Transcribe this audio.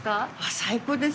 最高です。